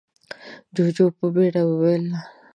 جُوجُو په بيړه وويل: